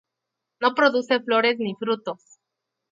No produce flores ni frutos.